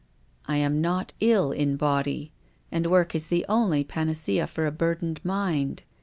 " I am not ill in body, and work is the only panacea for a burdened mind.